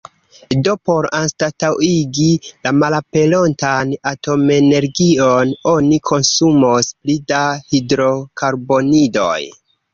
Do por anstataŭigi la malaperontan atomenergion oni konsumos pli da hidrokarbonidoj.